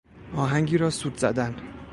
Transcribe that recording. آهنگی را سوت زدن